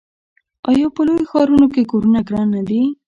آیا په لویو ښارونو کې کورونه ګران نه دي؟